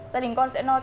những khoản bạch